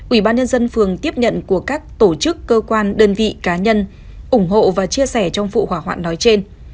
ủy ban nhân dân phường tiếp nhận của các tổ chức cơ quan đơn vị cá nhân ủng hộ và chia sẻ trong vụ hỏa hoạn nói trên